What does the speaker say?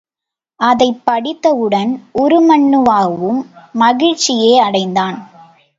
அதைப் படித்தவுடன் உருமண்ணுவாவும் மகிழ்ச்சியே அடைந்தான்.